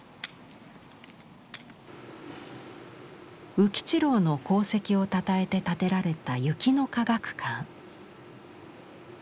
宇吉郎の功績をたたえて建てられた雪の科学館。